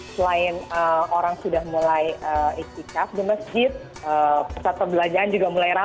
selain orang sudah mulai istikaf di masjid peserta belajaran juga mulai ramah